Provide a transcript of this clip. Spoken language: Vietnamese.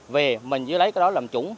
về mình giữ lấy cái đó làm chủng